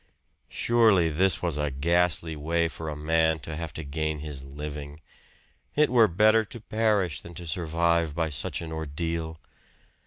Surely this was a ghastly way for a man to have to gain his living it were better to perish than to survive by such an ordeal!